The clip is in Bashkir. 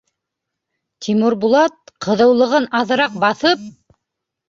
Тимербулат, ҡыҙыулығын аҙыраҡ баҫып: